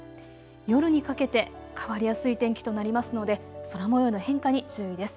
夜にかけて変わりやすい天気となりますので空もようの変化に注意です。